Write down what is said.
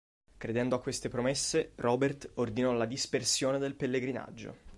Credendo a queste promesse Robert ordinò la dispersione del Pellegrinaggio.